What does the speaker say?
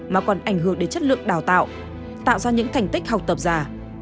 mà còn ảnh hưởng đến chất lượng đào tạo tạo ra những thành tích học tập già